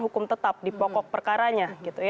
hukum tetap di pokok perkaranya